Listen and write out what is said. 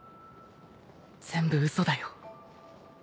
全部嘘だよ。